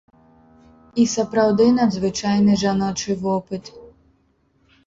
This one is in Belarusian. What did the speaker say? І сапраўды надзвычайны жаночы вопыт.